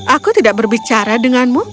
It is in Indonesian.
aku tidak berbicara denganmu